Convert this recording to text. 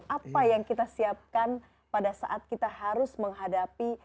apa yang kita siapkan pada saat kita harus menghadapi